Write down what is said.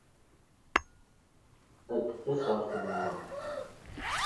Ad d-tas ɣer tmeɣra.